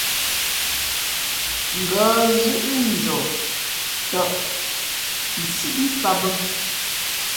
Ngα̌ zʉ̄ʼ njαα tᾱʼ nsǐʼ mfāt bᾱ.